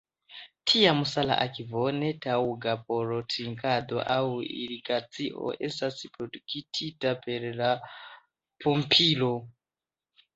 Tiam sala akvo, netaŭga por trinkado aŭ irigacio, estas produktita per la pumpilo.